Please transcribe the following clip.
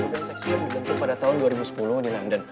grup band shakespeare dibentuk pada tahun dua ribu sepuluh di london